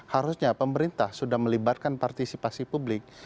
harusnya pemerintah sudah melibatkan partisipasi publik